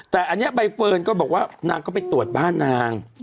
แต่อันนี้ใบเฟิร์นก็บอกว่านางก็ไปตรวจบ้านนาง